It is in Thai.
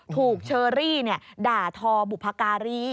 ถูกเชอรี่ด่าทอบุภาการี